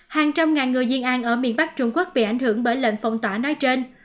hàng trăm ngàn người diê an ở miền bắc trung quốc bị ảnh hưởng bởi lệnh phong tỏa nói trên